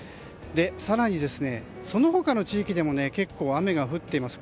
更に、その他の地域でも結構雨が降っています。